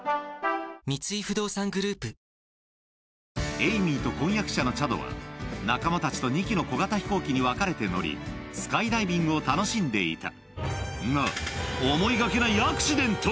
エイミーと婚約者のチャドは仲間たちと２機の小型飛行機に分かれて乗りスカイダイビングを楽しんでいたがおいヤバいヤバい何だ？